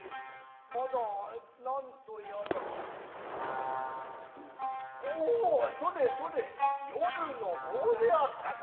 まだ何とやらオオそれそれ夜の棒であったか。